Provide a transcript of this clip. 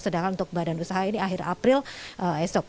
sedangkan untuk badan usaha ini akhir april esok